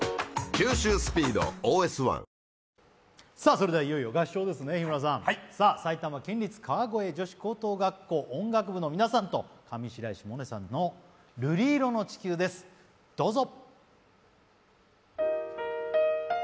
それではいよいよ合唱ですね、日村さん。埼玉県立川越女子高等学校・音楽部の皆さんと上白石萌音さんの「瑠璃色の地球」です、どうぞ。